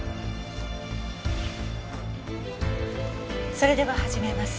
それでは始めます。